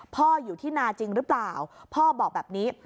พ่ออยู่ที่นาจริงหรือเปล่าพ่อบอกแบบนี้